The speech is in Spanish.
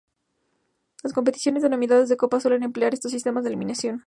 Las competiciones denominadas de Copa suelen emplear estos sistemas de eliminación.